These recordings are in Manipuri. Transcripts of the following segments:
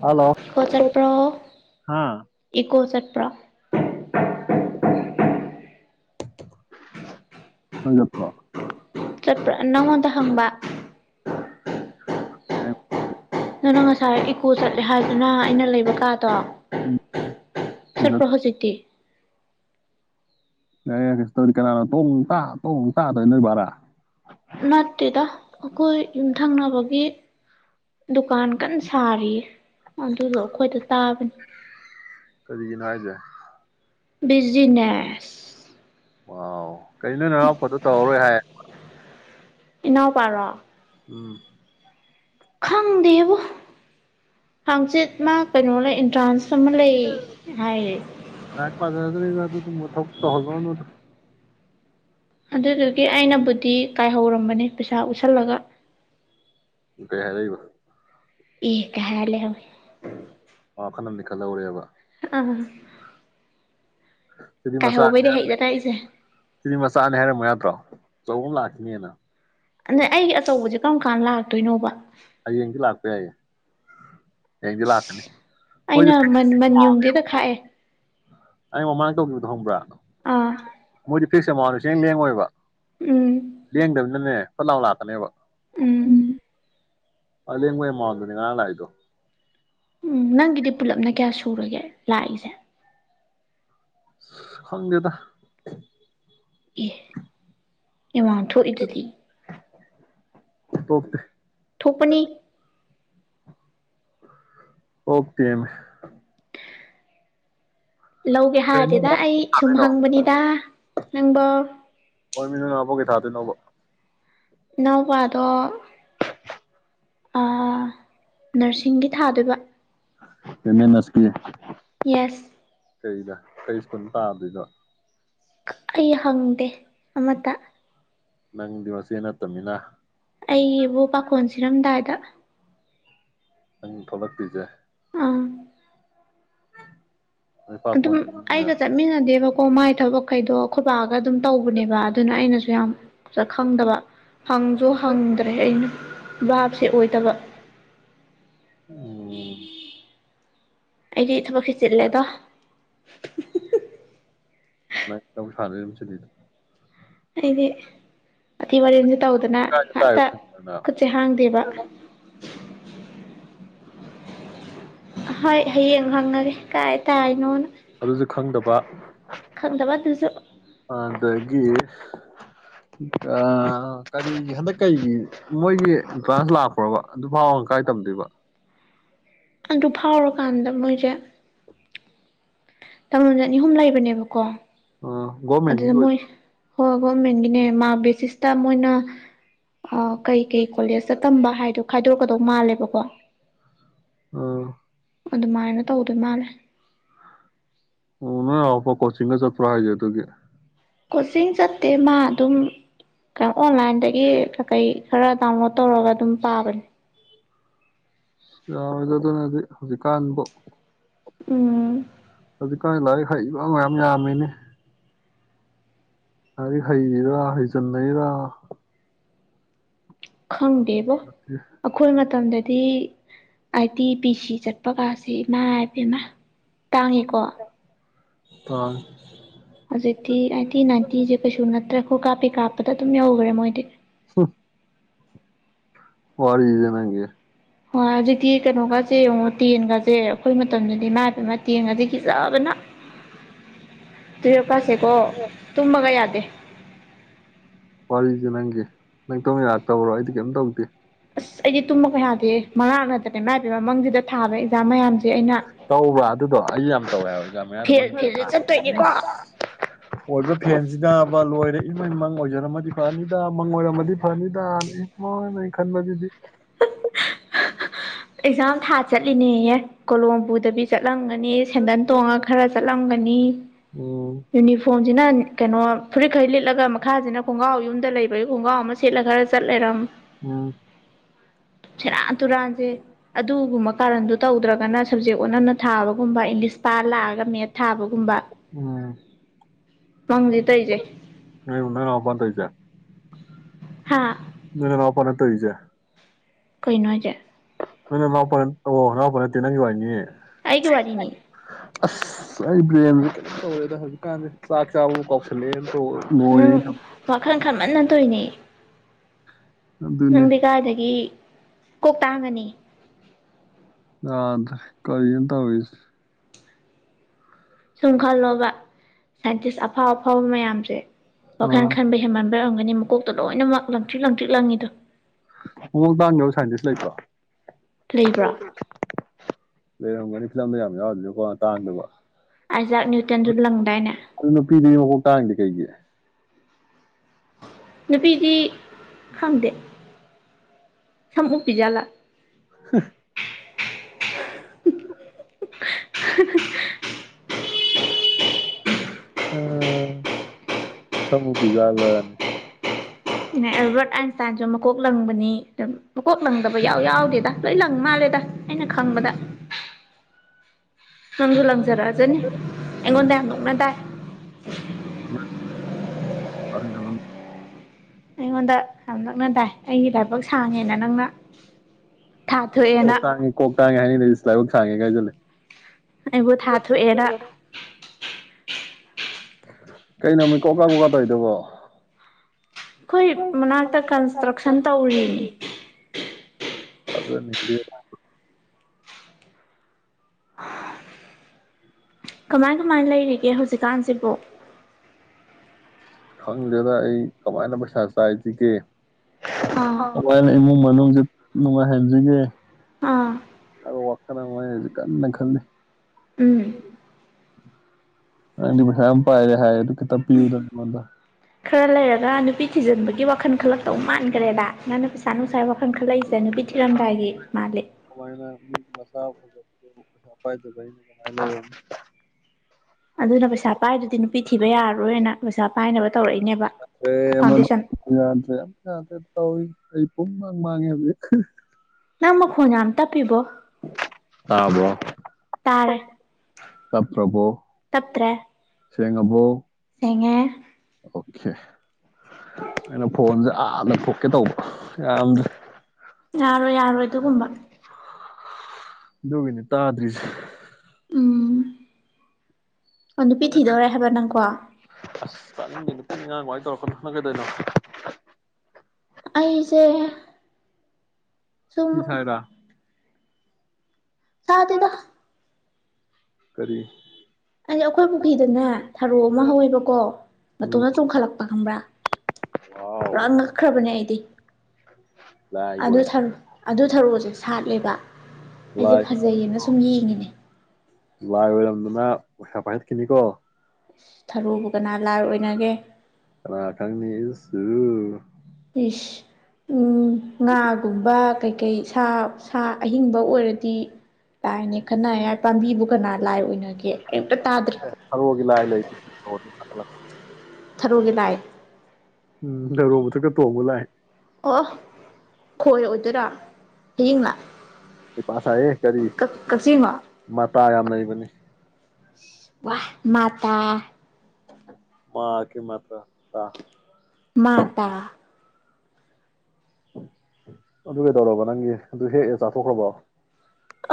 ꯍꯜꯂꯣ ꯏꯀꯣ ꯆꯠꯄ꯭ꯔꯣ ꯍꯥꯥ ꯏꯀꯣ ꯆꯠꯄ꯭ꯔ ꯭ꯄꯔ [unintelligible] ꯆꯠꯄ꯭ꯔꯥ ꯅꯪꯉꯣꯟꯗ ꯍꯪꯕ [unintelligible] ꯑꯗꯨꯅ ꯉꯁꯥꯏ ꯏꯀꯣ ꯆꯠꯂꯦ ꯍꯥꯏꯗꯨꯅ ꯑꯩꯅ ꯂꯩꯕ ꯀꯥꯗꯣ ꯆꯠꯄ꯭ꯔꯣ ꯍꯧꯖꯤꯛꯇꯤ ꯑꯦ ꯀꯁꯇꯧꯔꯤ ꯀꯅꯥꯅꯣ ꯇꯣꯡ ꯇ ꯇꯣꯡ ꯇꯥꯗꯣꯏ ꯅꯣꯏ ꯚꯔꯥ ꯅꯠꯇꯦꯗ ꯑꯩꯈꯣꯏ ꯌꯨꯝꯊꯪꯅꯕꯒꯤ ꯗꯨꯀꯥꯟ ꯀꯟꯅ ꯁꯥꯔꯤꯌꯦ ꯑꯗꯨꯗꯣ ꯑꯩꯈꯣꯏꯗ ꯇꯥꯕꯅꯤ ꯀꯔꯤꯒꯤꯅꯥ ꯍꯥꯏꯖꯦ ꯕꯤꯖꯤꯅꯦꯁ ꯑ ꯀꯔꯤꯅꯣ ꯅꯔꯥꯛꯄꯣꯠꯇꯣ ꯇꯧꯔꯔꯣꯏ ꯍꯥꯏ ꯏꯅꯥꯎ ꯄꯥꯔꯣ ꯎꯝ ꯈꯪꯗꯦꯕꯣ ꯍꯥꯡꯆꯤꯠ ꯃꯥ ꯀꯩꯅꯣ ꯂꯩ ꯑꯦꯟꯇ꯭ꯔꯥꯟꯁ ꯑꯃ ꯂꯩ ꯍꯥꯏꯌꯦ ꯄꯖꯔꯗ꯭ꯔ ꯑꯗꯨ ꯊ ꯇ ꯍꯣꯜꯕ ꯅꯣꯠꯇ ꯑꯗꯨꯗꯨꯒꯤ ꯑꯩꯅꯕꯨꯗꯤ ꯀꯥꯏꯍꯧꯔꯝꯕꯅꯤ ꯄꯩꯁꯥ ꯎꯠꯁꯜꯂꯒ ꯀꯩ ꯍꯥꯏꯔꯛꯏꯕ ꯏ ꯀꯍ ꯂꯩ ꯍꯥꯏ ꯑ ꯈꯜꯗꯤ ꯈꯜꯍꯧꯔꯦꯕ ꯑꯥ ꯁꯤꯗꯤ ꯃꯆꯥꯅꯤ ꯀꯥꯏꯍꯧꯕꯩꯗꯤ ꯍꯥꯏꯔꯝ ꯍꯩꯗꯅ ꯑꯩꯁꯦ ꯁꯤꯗꯤ ꯃꯆꯥꯅꯤ ꯍꯥꯏꯔꯝꯃ ꯌꯥꯗ꯭ꯔꯣ ꯆꯧꯟ ꯂꯈꯅꯤ ꯍꯥꯏꯅ ꯅ ꯑꯩꯒꯤ ꯑꯆꯧꯕꯁ ꯀꯔꯝ ꯀꯥꯟꯅ ꯂꯥꯛꯇꯣꯏꯅꯣꯕ ꯍꯌꯦꯡꯒꯤ ꯂꯥꯛꯄꯏꯌꯦꯦ ꯑꯦꯖꯂꯁꯦꯅꯦ ꯑꯩꯅ ꯍ ꯃꯟꯌꯨꯡꯗꯩꯗ ꯈꯥꯛꯑꯦ ꯑꯩ ꯃꯃꯥꯡꯗ ꯇꯧꯕꯤꯕꯗꯣ ꯍꯪꯕ꯭ꯔꯥ ꯑꯥ ꯃꯣꯏꯗꯤ ꯐꯤꯛꯁ ꯑꯦꯃꯥꯎꯟꯁꯨꯦꯦꯡ ꯂꯦꯡꯉꯣꯏꯕ ꯎꯝ ꯅꯦ ꯈꯨꯠꯂꯥꯎ ꯂꯥꯛꯇꯅꯦꯕ ꯎꯝ ꯑꯜꯂꯤ ꯍꯉꯣꯏꯌꯦꯃꯎꯗꯨꯅꯤ ꯉꯂꯥꯏꯗꯣ ꯎꯝ ꯅꯪꯒꯤꯗꯤ ꯄꯨꯜꯂꯞꯅ ꯀꯌꯥ ꯁꯨꯔꯒꯦ ꯂꯥꯛꯏꯁꯦ ꯈꯣꯡꯗꯦꯗ ꯑꯦ ꯏꯃꯥꯟ ꯊꯣꯛꯏ ꯑꯗꯨꯗꯤ ꯄꯇꯦ ꯊꯨꯄꯅꯤ ꯍꯇꯃꯦ ꯂꯧꯒꯦ ꯀꯩꯅꯣ ꯍꯥꯏꯔꯗꯤꯦꯗ ꯑꯩ ꯁꯨꯝ ꯍꯪꯕꯅꯤꯗ ꯅꯪꯝꯕꯣ ꯑꯣꯃꯤꯅꯣ ꯅꯅꯥꯄꯣ ꯀꯦ ꯊꯥꯗ ꯅꯣꯕ ꯏꯄꯥꯗꯣ ꯅꯔꯁꯤꯡꯒꯤ ꯊꯥꯗꯣꯏꯕ ꯀꯅꯦ ꯅꯁꯄꯤ ꯌꯦꯁ ꯀꯩꯗ ꯀꯔꯤ ꯁ꯭ꯀꯨꯜ ꯇꯥꯕꯗꯣꯏꯅꯣ ꯑꯩ ꯍꯪꯗꯦ ꯑꯃꯇ ꯅꯪꯗꯤ ꯃꯆꯦ ꯅꯠꯇꯃꯤꯅ ꯑꯩꯕꯨ ꯄꯥꯈꯣꯟ ꯁꯤꯔꯝꯗꯥꯏꯗ ꯅꯪ ꯊꯣꯛꯂꯛꯄꯤꯁꯦ ꯑꯝ ꯅꯣꯏ ꯄꯥꯛ ꯑꯗꯨꯝ ꯐꯣꯟꯈꯤꯕꯅꯤꯅ ꯑꯩꯒ ꯆꯠꯃꯤꯅꯥ ꯗꯦꯕ ꯀꯣ ꯃꯥꯏ ꯊꯕꯛꯈꯩꯗꯣ ꯈꯣꯏ ꯕꯥ ꯑꯗꯨ ꯇꯧꯕꯅꯦꯕ ꯑꯗꯨꯅ ꯑꯩꯅꯁꯨ ꯌꯥꯝ ꯁ ꯈꯪꯗꯕ ꯍꯪꯁꯨ ꯍꯪꯗ꯭ꯔꯦ ꯑꯩꯅ ꯕꯥꯥꯞꯁꯦ ꯑꯣꯏꯗꯕ ꯎꯝ ꯑꯩ ꯊꯕꯛ ꯈꯔꯆꯤꯜꯂꯦꯗ ꯃꯕꯨ [unintelligible] [unintelligible] ꯇꯧꯗꯅ ꯀꯥꯏꯗ ꯉꯥꯛꯇ ꯇꯥꯔꯤꯕꯅ ꯈꯨꯠꯁꯦ ꯍꯥꯡꯗꯦꯕ [unintelligible] ꯍꯣꯏ ꯍꯌꯦꯡ ꯍꯪꯉꯒꯦ ꯀꯥꯏ [unintelligible] ꯑꯗꯨꯁꯨ ꯈꯪꯗꯕ ꯈꯪꯗꯕ ꯑꯗꯨꯁꯨ ꯑꯗꯒꯤ ꯀꯔꯤ ꯍꯟꯗꯛ ꯀꯩꯒꯤ ꯃꯣꯏꯒꯤ ꯚꯥꯟꯁ ꯂꯥꯛꯄ꯭ꯔꯣꯕ ꯑꯗꯨꯐꯥꯎꯕ ꯀꯥꯏ ꯇꯝꯗꯣꯏꯕ ꯑꯗꯨ ꯐꯥꯎꯔꯀꯥꯟꯗ ꯃꯣꯏꯁꯦ ꯇꯣꯗ ꯑꯅꯤ ꯑꯍꯨꯝ ꯂꯩꯕꯅꯦꯕꯀꯣ ꯑꯥ ꯒꯣꯔꯃꯦꯟꯒꯤ ꯑꯗꯨꯗ ꯑꯣꯏꯗ ꯃꯣꯏ ꯍꯣꯏ ꯒꯣꯔꯃꯦꯟꯒꯤꯅꯦ ꯃꯥ ꯁꯇ ꯃ ꯑꯣꯏꯅ ꯑ ꯀꯩ ꯀꯩ ꯀꯣꯂꯦꯖꯇ ꯇꯝꯕ ꯍꯥꯏꯗꯣ ꯈꯥꯏꯗꯣꯔꯛꯀꯗꯧ ꯃꯥꯜꯂꯦꯕꯀꯣ ꯑꯥ ꯑꯗꯨꯃꯥꯏꯅ ꯇꯧꯗꯣꯏ ꯃꯥꯜꯂꯦ ꯎ ꯅ ꯑꯣ ꯀꯣꯆꯤꯡ ꯆꯄ꯭ꯔ ꯍꯥꯏꯖꯦ ꯑꯗꯨꯒꯤ ꯀꯣꯆꯤꯡ ꯆꯠꯇꯦ ꯃꯥꯥꯟ ꯑꯗꯨꯝ ꯀꯩꯅꯣ ꯑꯣꯟꯂꯥꯏꯟꯗꯒꯤ ꯀꯀꯩ ꯈꯔ ꯗꯥꯎꯟꯂꯣꯗ ꯇꯧꯔꯒ ꯑꯗꯨꯝ ꯄꯥꯕꯅꯦ ꯌꯥꯔꯒꯗꯅꯗꯤ ꯍꯧꯖꯤꯛꯀꯥꯟꯕꯨ ꯎꯝ ꯍꯧꯖꯤꯛꯀꯥꯟ ꯂꯥꯏꯔꯤꯛ ꯍꯩꯕ ꯃꯌꯥꯝ ꯌꯥꯝꯃꯤꯅꯦ ꯍꯥꯏꯔꯤꯛ ꯍꯩꯔꯤꯔꯥ ꯍꯩꯖꯤꯟꯅꯩꯔꯥ ꯈꯪꯗꯦꯕꯣ ꯑꯩꯈꯣꯏ ꯃꯇꯝꯗ ꯑꯗꯤ ꯍꯥꯏꯗꯤ ꯕꯤ ꯁꯤ ꯆꯠꯄꯒꯥꯁꯦ ꯏꯃꯥ ꯍꯥꯏꯕꯦꯝꯃ ꯇꯥꯡꯉꯦꯀꯣ ꯇꯣ ꯍꯧꯖꯤꯛ ꯊꯤ ꯅꯇꯤ ꯅꯇꯤ ꯁꯦ ꯀꯩꯁꯤ ꯎ ꯅꯠꯇ꯭ꯔ ꯈꯨꯠ ꯀꯥ ꯄꯤ ꯀꯥꯞꯗ ꯑꯗꯨꯝ ꯌꯧꯈ꯭ꯔꯦ ꯃꯣꯏꯗꯤ ꯋꯥꯗꯅꯒ ꯍꯣꯏ ꯑꯗꯨ ꯀ ꯀꯣ ꯑꯣ ꯇꯦꯟꯀ ꯆꯁꯦ ꯑꯩꯈꯣꯏ ꯃꯇꯝꯗꯗꯤ ꯏꯕ ꯑꯃ ꯇꯦꯡꯉꯗꯒꯤ ꯆꯕꯅ ꯇꯨꯌꯦꯜꯞ ꯀꯁꯦꯀꯣ ꯇꯨꯝꯃꯒ ꯌꯥꯗꯦ ꯋꯥꯔꯤꯗꯨ ꯅꯪꯒꯤ ꯅꯪ ꯇꯧꯃꯤꯔꯥ ꯇꯧꯔꯣ ꯑꯩꯗꯤ ꯀꯩꯝ ꯇꯧꯗꯦ ꯑꯁ ꯑꯩꯗꯤ ꯇꯨꯝꯕ ꯀꯌꯥ ꯌꯥꯗꯦ ꯃꯉꯛ ꯅꯠꯇꯅ ꯃꯥꯏꯕ ꯃꯃꯥꯡꯁꯤꯗ ꯊꯥꯕ ꯑꯦꯛꯖꯥꯝ ꯃꯌꯥꯝꯁ ꯇꯧꯕ꯭ꯔꯥ ꯑꯗꯨꯗꯣ ꯑꯩ ꯌꯥꯝ ꯇꯧꯋꯦ ꯖꯥ ꯃꯌꯥꯗ ꯐꯦꯜ ꯐꯦꯜꯁꯦ ꯆꯠꯇꯣꯏꯅꯤꯀꯣ ꯑꯣꯏꯕ ꯐꯦꯟꯁꯤꯅ ꯑꯃ ꯂꯣꯏꯔꯦ ꯏꯃꯩ ꯃꯪ ꯑꯣꯏꯖꯔꯝꯃꯗꯤ ꯐꯅꯤꯗ ꯃꯪ ꯑꯣꯏꯔꯝꯃꯗꯤ ꯐꯅꯤꯗ ꯏꯃꯪ ꯑꯣꯏꯃꯩ ꯈꯟꯕꯗꯨꯗꯤ ꯑꯦꯖꯥ ꯊꯥ ꯆꯠꯂꯤꯅꯦꯌꯦ ꯀꯣꯂꯣꯝꯕꯨꯗ ꯆ ꯆꯠꯂꯝꯒꯅꯤ ꯁꯦꯟꯗꯟ ꯇꯣꯡꯉ ꯈꯔ ꯆꯠꯂꯝꯒꯅꯤ ꯎꯝ ꯌꯨꯅꯤꯐꯣꯔꯝꯁꯤꯅ ꯀꯩꯅꯣ ꯐꯨꯔꯤꯠꯈꯩ ꯂꯤꯠꯂꯒ ꯃꯈꯥꯁꯤꯅ ꯈꯣꯡꯒꯥꯎ ꯌꯨꯝꯗ ꯂꯩꯕ ꯈꯣꯡꯒꯥꯎ ꯑꯃ ꯁꯤꯠꯂꯒ ꯆꯠꯂꯔꯝ ꯎꯝ ꯁ ꯔꯥ ꯇꯔꯥꯖꯦ ꯑꯗꯨꯒꯨꯝꯕ ꯀꯥꯔꯟꯗꯨ ꯇꯧꯗ꯭ꯔꯒꯅ ꯁꯞꯖꯦꯛ ꯑꯣꯟꯅꯅ ꯊꯥꯕꯒ ꯀꯨꯝꯕ ꯏꯂꯤꯁ ꯄꯥꯂꯑ ꯃꯦꯠ ꯊꯥꯕꯒꯨꯝꯕ ꯎꯝ ꯐꯪꯗꯤ ꯇꯔꯤꯁꯦ ꯅꯣꯏ ꯅꯣꯏ ꯅꯅꯥꯎꯄꯥꯅ ꯍꯥꯥ ꯅꯅꯅꯄꯅꯦ ꯇꯔꯤꯖ ꯀꯩꯅꯣꯁꯦ ꯅꯣꯏꯅ ꯂꯥꯛꯄ ꯑꯣ ꯂꯥꯛꯄ ꯅꯠꯇꯦ ꯅꯪꯒꯤ ꯋꯥꯏꯅꯤ ꯑꯩꯏꯒꯤ ꯋꯥꯔꯤꯅꯤ ꯑꯁ ꯑꯩ ꯕ꯭ꯔꯦꯟꯁꯦ ꯀꯩꯅꯣ ꯇꯧꯋꯦꯗ ꯍꯧꯖꯤꯛꯀꯥꯟꯗꯤꯦ ꯆꯥꯛ ꯆꯥꯕꯛ ꯀꯥꯎꯁꯜꯂꯑꯦꯅ ꯅꯪ ꯋꯥ ꯈꯔ ꯈꯃꯪ ꯇꯣꯏꯅꯦ ꯑꯗꯨꯅꯦ ꯅꯪꯗꯤ ꯀꯗꯗꯒꯤ ꯀꯣꯛ ꯇꯥꯡꯒꯅꯤ ꯑꯥꯗ ꯀꯔꯤ ꯌꯦꯗ ꯑꯣꯏ ꯁꯨꯝ ꯈꯜꯂꯣꯕ ꯁꯥꯏꯟꯇꯤꯁ ꯑꯐꯥꯎ ꯑꯐꯥꯎꯕ ꯃꯌꯥꯝꯁꯦ ꯋꯥ ꯑꯥ ꯈꯥꯟ ꯍꯦꯃꯥꯟ ꯔꯝꯒꯅꯤ ꯃꯀꯣꯛꯇꯣ ꯂꯣꯏꯅꯃꯛ ꯂꯪꯇ꯭ꯤꯠ ꯂꯪꯊ꯭ꯔꯤ ꯂꯪꯤꯗꯣ ꯃ ꯇ ꯁꯥꯏꯟꯇꯁ ꯂꯩꯇ꯭ꯔꯣ ꯂꯩꯕ꯭ꯔꯣ ꯂꯩ ꯍꯣꯡꯒꯅꯤ ꯁꯤꯠꯂꯝꯗ ꯌꯥꯝ ꯌꯥꯎꯗꯀꯣ ꯇꯥꯟꯗꯕ ꯑꯥꯏꯖꯥꯛ ꯅꯅꯤꯨꯇꯟꯗꯨ ꯂꯪꯗꯥꯏꯅꯦ ꯑꯗꯨꯅ ꯄꯤꯔꯤ ꯃꯈ ꯇꯥꯡꯦ ꯀꯩꯒꯤꯦ ꯅꯨꯄꯤꯗꯤ ꯈꯪꯗꯦ ꯁꯞ ꯄꯤꯖꯥꯠꯂꯥ [unintelligible] [unintelligible] ꯑ ꯁꯨꯕꯤꯤꯒꯂꯅꯤ ꯑꯦꯔꯣꯠ ꯑ ꯆꯥꯖꯃ ꯃꯀꯣꯛ ꯂꯪꯕꯅꯤ ꯃꯀꯣꯛ ꯂꯪꯗꯕ ꯌꯥꯎ ꯌꯥꯎꯗꯦꯗ ꯂꯣꯏ ꯂꯪ ꯃꯥꯜꯂꯦꯗ ꯑꯩꯅ ꯈꯪꯕꯗ ꯅꯪꯖ ꯂꯪꯖ ꯔꯥꯖꯅꯤ ꯑꯩꯉꯣꯟꯗ ꯌꯥꯝ ꯅꯣꯛꯅ ꯇꯥꯏ ꯑꯗꯨ ꯑꯩꯉꯣꯟꯗ ꯌꯥꯝ ꯅꯛꯅ ꯇꯥꯏ ꯑꯩꯒꯤ ꯂꯥꯏꯕꯛ ꯁꯥꯡꯉꯦꯅ ꯅꯪꯅ ꯊꯥꯊꯣꯛꯑꯦꯅ [unintelligible] ꯁꯥꯡꯉꯦ ꯍꯥꯏꯅꯤꯗꯗꯤꯁꯨ ꯂꯥꯏꯕꯛꯥꯡꯉꯦꯥꯏꯖꯜꯂꯦ ꯑꯩꯕꯨ ꯊꯥꯊꯣꯛꯑꯦꯔ ꯀꯩꯩꯅꯃꯤ ꯀꯣꯛꯀꯥ ꯀꯣꯛꯀꯥ ꯇꯏꯗꯕꯣ ꯑꯩꯈꯣꯏ ꯃꯅꯥꯛꯇ ꯀꯟꯁꯇ꯭ꯔꯛꯁꯟ ꯇꯧꯔꯤꯅꯤ ꯑꯗ ꯅꯤꯡꯗꯤ ꯎꯝ ꯃꯃꯥꯏꯒ ꯃꯥꯅ ꯂꯩꯔꯦꯒꯦ ꯍꯧꯖꯤꯛ ꯇꯥꯟꯁꯤꯕꯣꯛ ꯈꯪꯗꯦꯗ ꯑꯩ ꯀꯃꯥꯏꯅ ꯄꯩꯁꯁꯥꯏꯁꯤ ꯀꯦ ꯑꯥ ꯃ ꯃ ꯃꯅꯨꯡꯁ ꯅꯨꯡꯉꯥꯏꯍꯟꯁꯤꯒꯦ ꯑꯥ ꯋꯥꯈꯜ ꯑꯃꯁꯤ ꯀꯟꯅ ꯈꯜꯂꯤ ꯎꯝ ꯎ ꯑ ꯄꯔ ꯍꯥꯏ ꯑꯗꯨ ꯀꯇ ꯄꯤ ꯎꯗ ꯃ ꯈꯔ ꯂꯩꯔꯒ ꯅꯨꯄꯤ ꯊꯤꯖꯤꯟꯕꯒꯤ ꯋꯥꯈꯜ ꯈꯜꯂꯛꯇꯧ ꯃꯥꯟꯈ꯭ꯔꯦꯗ ꯅꯪ ꯄꯩꯁꯥ ꯅꯨꯡꯁꯥ ꯋꯥꯈꯜ ꯈꯜꯂꯛꯏꯦ ꯏ ꯅꯨꯄꯤ ꯊꯤꯜꯔꯂꯝꯝꯗꯥꯏꯒꯤ ꯃꯥꯜꯂꯤ ꯃꯁ ꯑꯗꯨꯅ ꯄꯩꯁꯥ ꯄꯥꯏꯗꯨꯗꯤ ꯅꯨꯄꯤ ꯊꯤꯕ ꯌꯥꯔꯣꯏ ꯣꯏ ꯑꯣꯏꯅ ꯄꯩꯁꯥ ꯄꯥꯏꯅꯕ ꯇꯧꯔꯛꯏꯅꯦꯕ ꯦ ꯌꯥ ꯐꯥꯎꯟꯗꯦꯁꯟ ꯌꯥꯝ ꯌꯥ ꯇꯥꯎ ꯑꯩ ꯄꯨꯝꯃꯛꯥꯡ ꯃꯥꯡꯉꯦ ꯍꯧꯖꯤꯛ ꯅꯪ ꯃꯈꯣꯡ ꯌꯥꯝ ꯇꯞꯄꯤꯕꯣ ꯇꯕꯣ ꯇꯥꯔꯦ ꯇꯞ ꯇ꯭ꯔꯦ ꯆꯦꯡꯉꯕꯣ ꯌꯦꯉ ꯑꯣꯀꯦ ꯑꯩꯅ ꯐꯣꯟꯁꯦ ꯑꯥꯅ ꯊꯣꯛꯣꯛꯀꯦ ꯇꯧꯕ ꯌꯥꯝꯗ꯭ꯔ ꯌꯥꯔꯣꯏ ꯌꯥꯔꯣꯏ ꯑꯗꯨꯒꯨꯝꯕ ꯒꯤꯅꯤ ꯇꯥꯗ꯭ꯔꯤꯁꯤ ꯎꯝ ꯑꯣ ꯅꯨꯄꯤ [unintelligible] ꯊꯤꯗꯧꯔꯦ ꯍꯥꯏꯕ ꯅꯪꯀꯣ ꯌꯥ ꯏ ꯇꯧꯔꯀꯅ ꯀꯦ ꯇꯩꯅꯣ ꯑꯩꯁꯦ ꯐꯤ ꯁꯨꯝ ꯁꯥꯏꯔꯣ ꯁꯥꯗꯦꯗ ꯀꯔꯤ ꯑꯩ ꯑꯩꯈꯣꯏ ꯄꯨꯈ꯭ꯔꯤꯗꯅꯦ ꯊꯔꯣ ꯑꯃ ꯍꯧꯋꯦꯕꯀꯣ ꯃꯇꯣꯟꯅ ꯎꯝ ꯆꯣꯡꯈꯠꯂꯛꯄ ꯈꯪꯕ꯭ꯔꯥ ꯋꯥꯎ ꯄꯨꯔꯥ ꯉꯛꯈ꯭ꯔꯕꯅꯦ ꯑꯩꯗꯤ ꯂꯥꯏꯒꯤ ꯑꯗꯨ ꯑꯣꯏ ꯊꯔꯣ ꯑꯗꯨ ꯊꯔꯣ ꯁꯥꯠꯂꯦꯕ ꯑꯩꯁꯦ ꯂꯥꯏꯒ ꯐꯖꯩꯌꯦꯅ ꯑꯣꯏꯔꯝꯅꯤꯀꯣ ꯁꯨꯝ ꯌꯦꯡꯉꯤꯅꯦ ꯂꯥꯏꯒ ꯑꯣꯏꯔꯝꯗꯅ ꯄꯩꯁꯥ ꯄꯥꯏꯈꯠꯈꯤꯅꯤꯀꯣ ꯊꯔꯣꯕꯨ ꯀꯅꯥ ꯂꯥꯏ ꯑꯣꯏꯅꯅꯒꯦ ꯀꯥꯅꯥ ꯈꯪꯅꯤ ꯎꯁ ꯍꯨ ꯏꯁ ꯎꯝ ꯉꯥꯒꯨꯝꯕ ꯀꯩꯀꯩ ꯁꯥ ꯁꯥ ꯑꯍꯤꯡꯕ ꯑꯣꯏꯔꯗꯤ ꯇꯥꯏꯅꯦ ꯀꯅꯥ ꯍꯥꯏꯌꯥꯔ ꯄꯥꯝꯕꯤꯕꯨ ꯀꯅꯥ ꯂꯥꯏ ꯑꯣꯏꯅꯒꯦ ꯑꯩ ꯑꯝꯇ ꯇꯥꯗ꯭ꯔꯤ ꯊꯔꯣꯒꯤ ꯂꯥꯏ ꯂꯩ ꯊꯔꯣꯒꯤ ꯂꯥꯏ ꯎꯝꯗ ꯊꯔꯣ ꯃꯊꯛꯇ ꯇꯣꯡꯕ ꯂꯥꯏ ꯑꯣ ꯈꯣꯏ ꯑꯣꯢ ꯍꯌꯤꯡꯂꯣ ꯍꯩꯄꯥ ꯁꯥꯢꯍꯦ ꯀꯔꯤ ꯃꯥꯇꯥ ꯂꯩꯕꯅꯤ ꯋꯥ ꯃꯥꯇꯥ ꯃꯥꯀꯤ ꯃꯥꯇ꯭ꯔ ꯃꯥ ꯇꯥ ꯑꯗꯨ ꯀꯩꯗꯧꯔꯕ ꯅꯪꯒꯤ ꯑꯗꯨ ꯍꯦꯛꯑ ꯆꯥꯊꯣꯛꯈ꯭ꯔꯕꯣ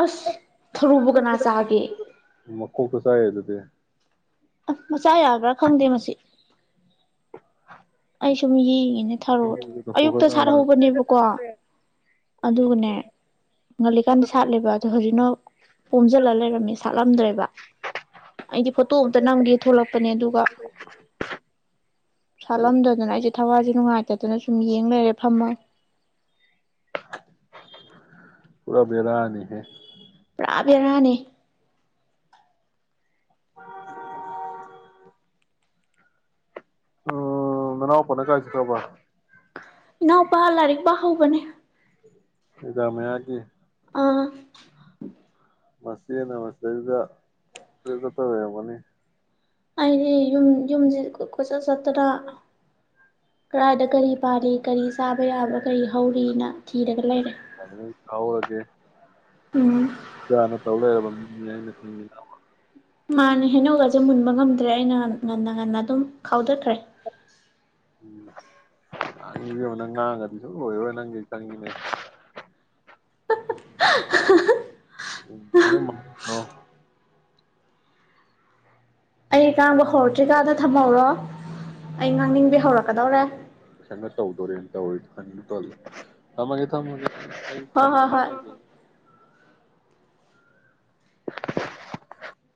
ꯑꯁ ꯊꯔꯣꯕꯨ ꯀꯅꯥ ꯆꯥꯒꯦ ꯃꯀꯣꯛꯇꯣ ꯆꯥ ꯌꯥꯏꯗꯨꯗꯤ ꯑꯁ ꯃꯆꯥ ꯌꯥꯕ꯭ꯔꯥ ꯈꯪꯗꯦ ꯃꯁꯤ ꯁꯨꯝ ꯌꯦꯡꯉꯤ ꯅꯦ ꯊꯔꯣꯗꯣ ꯑꯌꯨꯛꯇ ꯁꯥꯠꯍꯧꯕꯅꯦꯕꯀꯣ ꯑꯗꯨꯒꯅꯦ ꯉꯂꯤꯀꯥꯟꯗ ꯁꯥꯠꯂꯦꯕ ꯑꯗꯣ ꯍꯧꯖꯤꯛꯅ ꯄꯣꯝꯖꯤꯜꯂ ꯂꯩꯔꯝꯃꯦ ꯁꯥꯠꯂꯝꯗ꯭ꯔꯦꯕ ꯑꯩꯗꯤ ꯐꯣꯇꯣ ꯑꯝꯇ ꯅꯝꯒꯦ ꯊꯣꯛꯂꯛꯄꯅꯦ ꯑꯗꯨꯒ ꯑꯗꯣ ꯁꯥꯠꯂꯝꯗꯗꯅ ꯑꯩꯁꯦ ꯊ ꯑꯋꯥꯁꯦ ꯅꯨꯡꯉꯥꯏꯇꯗꯅ ꯁꯨꯝ ꯌꯦ ꯌꯦꯡ ꯂꯩꯔꯦ ꯐꯝꯃꯒ ꯄꯨꯥ ꯕꯦꯔꯥꯅꯤꯍꯦ ꯄꯨ꯭ꯔꯥ ꯄꯔꯥꯅꯦ ꯎꯝ ꯃꯅꯥꯎ ꯄꯅ ꯀꯥꯁꯤ ꯀ꯭ꯔꯕ ꯏꯅꯥꯎꯄꯥ ꯂꯥꯏꯔꯤꯛ ꯄꯥ ꯍꯧꯕꯅꯦ ꯏꯗꯥꯃꯦ ꯍꯥꯏꯒꯤꯦ ꯑꯥ ꯃꯁꯤꯅ ꯃꯁꯤꯗꯗ ꯑꯗꯨ ꯀ ꯇꯧꯋꯔꯕꯅꯤ ꯑꯩꯗꯤ ꯌꯨꯝ ꯌꯨꯝꯁꯤ ꯀꯆꯠ ꯆꯠꯇꯅ ꯀꯗꯥꯥꯏꯗ ꯀꯔꯤ ꯄꯥꯜꯂꯤ ꯀꯔꯤ ꯆꯥꯕ ꯌꯥꯕ꯭ꯔꯥ ꯀꯔꯤ ꯍꯧꯔꯤꯅ ꯊꯤꯔꯒ ꯂꯩꯔꯦ ꯌꯥꯔꯤꯉꯩ ꯎꯝ ꯌꯥꯅ ꯇꯧꯦꯒ ꯌꯥꯏ ꯃꯥꯅꯦ ꯍꯦꯩꯅꯧꯒꯁꯦ ꯃꯨꯟꯕ ꯉꯝꯗ꯭ꯔꯦ ꯑꯩꯅ ꯉꯟꯅ ꯉꯟꯅ ꯑꯗꯨꯝ ꯈꯥꯎꯊꯈ꯭ꯔꯦ ꯎꯝ ꯅꯪ ꯉꯥꯡꯒꯗꯤꯁꯨ ꯑꯣꯏꯕ ꯅꯪꯒꯤ ꯆꯪꯉꯤꯅꯦ [unintelligible] ꯎ ꯃꯣ ꯑꯩ ꯉꯥꯡꯕ ꯍꯧꯔꯛꯇ꯭ꯔꯤꯀꯗ ꯊꯝꯍꯧꯔꯣ ꯑꯩ ꯉꯥꯡꯅꯤꯡꯕ ꯍꯧꯔꯛꯀꯗꯧꯔꯦ ꯄꯁꯅ ꯇꯧꯗꯣꯔꯦꯅ ꯇꯧꯋꯦ ꯇ ꯊꯝꯃꯒꯦ ꯊꯝꯃꯒꯦ ꯑꯩ ꯍꯣꯏ ꯍꯣꯏ ꯍꯣꯏ